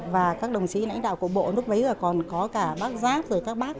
và các đồng chí nãnh đạo cổ bộ lúc bấy giờ còn có cả bác giác rồi các bác